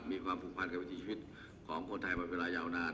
มีความผูกพันกับวิถีชีวิตของคนไทยมาเวลายาวนาน